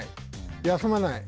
休まない。